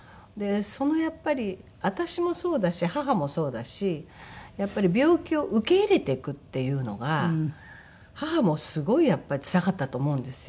やっぱり私もそうだし母もそうだし病気を受け入れていくっていうのが母もすごいつらかったと思うんですよ。